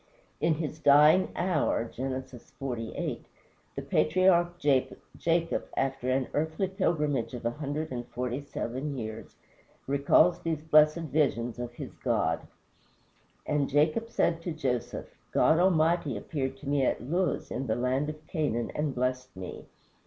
In his dying hour (Gen. xlviii.) the patriarch Jacob, after an earthly pilgrimage of a hundred and forty seven years, recalls these blessed visions of his God: "And Jacob said to Joseph, God Almighty appeared to me at Luz in the land of Canaan and blessed me."